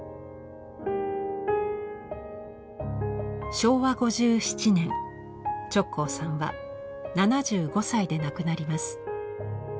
昭和５７年直行さんは７５歳で亡くなります。